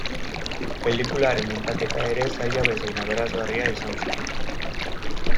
Pelikularen muntaketa ere zaila bezain aberasgarria izan zen.